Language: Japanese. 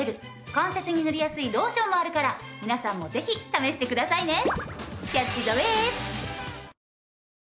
関節に塗りやすいローションもあるから皆さんもぜひ試してくださいね！